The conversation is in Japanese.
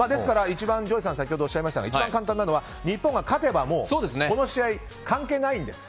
ＪＯＹさんおっしゃいましたが一番簡単なのは日本が勝てばこの試合、関係ないんです。